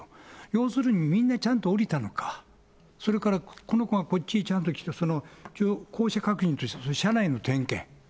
要するにみんなちゃんと降りたのか、それからこの子がこっちにちゃんと来た、降車確認として車内の点検。